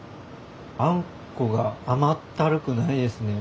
あんこが甘ったるくないですね。